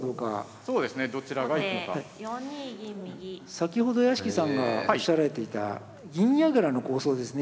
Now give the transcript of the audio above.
先ほど屋敷さんがおっしゃられていた銀矢倉の構想ですね。